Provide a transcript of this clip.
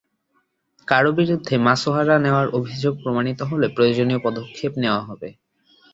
কারও বিরুদ্ধে মাসোহারা নেওয়ার অভিযোগ প্রমাণিত হলে প্রয়োজনীয় পদক্ষেপ নেওয়া হবে।